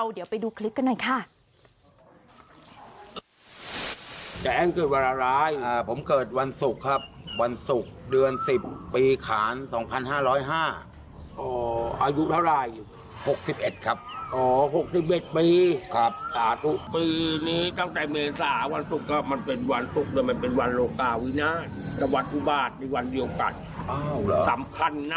เดี๋ยวไปดูคลิปกันหน่อยค่ะ